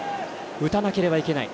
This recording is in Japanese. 打たなければいけない。